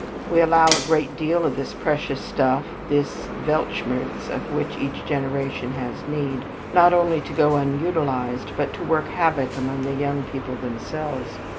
We allow a great deal of this precious stuff this Welt Schmerz of which each generation has need not only to go unutilized, but to work havoc among the young people themselves.